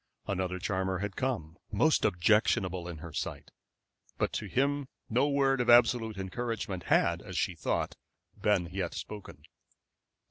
Another charmer had come, most objectionable in her sight, but to him no word of absolute encouragement had, as she thought, been yet spoken.